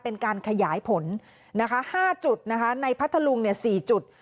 เป็นการขยายผลนะคะห้าจุดนะคะในพัทธลุงเนี่ยสี่จุด